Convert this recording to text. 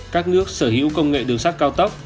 các nước sở hữu công nghệ đường sắt cao tốc